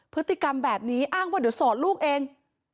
พฤติกรรมแบบนี้อ้างว่าเดี๋ยวสอนลูกเอง